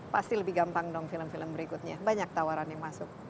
pasti lebih gampang dong film film berikutnya banyak tawaran yang masuk